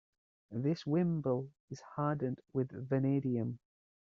This wimble is hardened with vanadium.